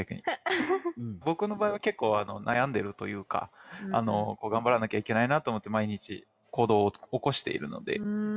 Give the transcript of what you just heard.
僕の場合は結構悩んでるというか頑張らなきゃいけないなと思って毎日行動を起こしているので。